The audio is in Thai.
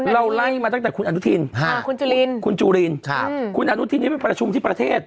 เราไล่มาตั้งแต่คุณอนุทินคุณจุลินคุณจุลินคุณอนุทินนี้ไปประชุมที่ประเทศ